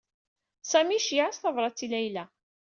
Sami iceyyeɛ-as tabṛat i Layla.